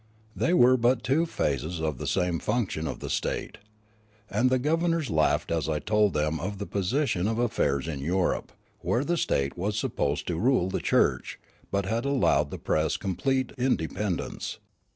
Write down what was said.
They were but two phases of the same function of the state. And the governors laughed as I told them of the position of affairs in Europe, where the state was supposed to rule the church, but had allowed the press complete inde pendence.